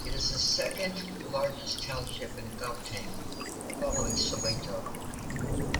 It is the second largest township in Gauteng, following Soweto.